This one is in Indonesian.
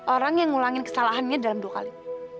orang yang ngulangin kesalahannya dalam dua kali